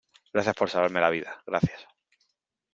gracias por salvarme la vida , gracias .